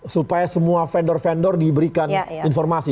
supaya semua vendor vendor diberikan informasi